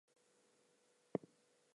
The sentence should use no foreign letters.